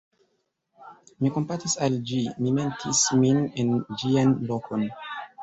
mi kompatis al ĝi, mi metis min en ĝian lokon.